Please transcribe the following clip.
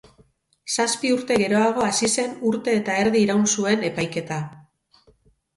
Zazpi urte geroago hasi zen urte eta erdi iraun zuen epaiketa.